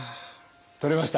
取れました？